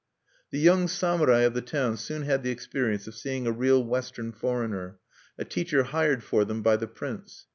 The young samurai of the town soon had the experience of seeing a real Western foreigner, a teacher hired for them by the prince.